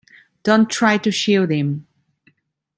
Don't try to shield him.